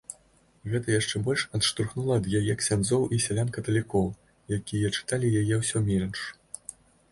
Гэта яшчэ больш адштурхнула ад яе ксяндзоў і сялян-каталікоў, якія чыталі яе ўсё менш.